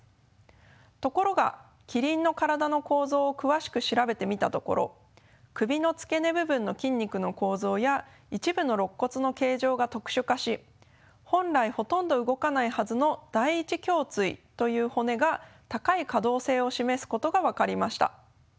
ところがキリンの体の構造を詳しく調べてみたところ首の付け根部分の筋肉の構造や一部のろっ骨の形状が特殊化し本来ほとんど動かないはずの第１胸椎という骨が高い可動性を示すことが分かりました。